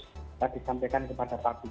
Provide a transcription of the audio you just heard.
kita disampaikan kepada publik